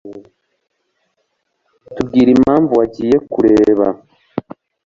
Tubwire impamvu wagiye kureba